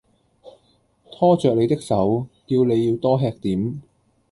拖著你的手，叫你要多吃點